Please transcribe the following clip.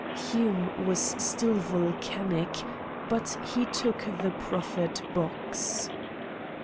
Hume was still volcanic, but he took the proffered box.